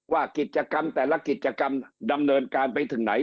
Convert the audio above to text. ว่ากิจกรรมแต่ละกิจกรรมดำเนินการไปถึงไหน